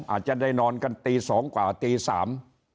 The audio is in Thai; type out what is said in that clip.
อาจจะได้นอนกันตีสองกว่าตีสาม